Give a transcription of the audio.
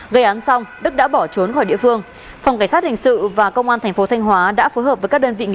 gây án xong đức đã bỏ trốn khỏi địa phương